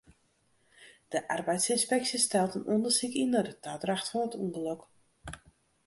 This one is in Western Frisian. De arbeidsynspeksje stelt in ûndersyk yn nei de tadracht fan it ûngelok.